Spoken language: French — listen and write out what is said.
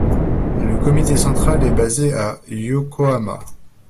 Le comité central est basé à Yokohama.